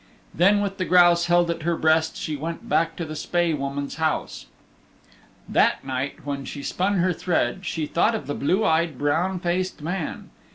Then with the grouse held at her breast she went back to the Spae Woman's house. That night when she spun her thread she thought of the blue eyed, brown faced man.